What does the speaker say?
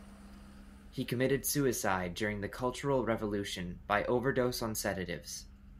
He committed suicide during the Cultural Revolution by overdose on sedatives.